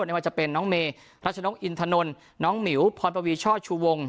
ไม่ว่าจะเป็นน้องเมรัชนกอินทนนท์น้องหมิวพรปวีช่อชูวง